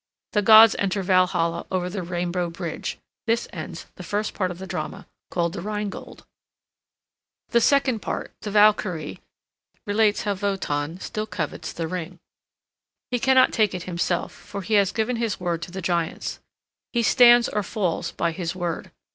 The gods enter Valhalla over the rainbow bridge. This ends the first part of the drama, called the Rhine Gold. The second part, the Valkyrie, relates how Wotan still covets the ring. He cannot take it himself, for he has given his word to the giants. He stands or falls by his word.